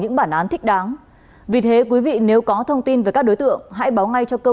những bản án thích đáng vì thế quý vị nếu có thông tin về các đối tượng hãy báo ngay cho cơ